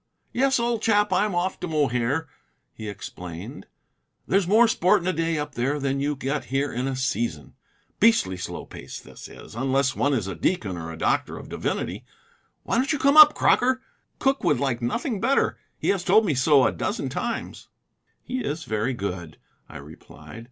"Yes, old chap, I'm off to Mohair," he explained. "There's more sport in a day up there than you get here in a season. Beastly slow place, this, unless one is a deacon or a doctor of divinity. Why don't you come up, Crocker? Cooke would like nothing better; he has told me so a dozen times." "He is very good," I replied.